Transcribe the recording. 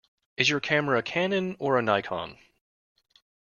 Is your camera a Canon or a Nikon?